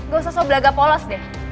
gak usah sobel agak polos deh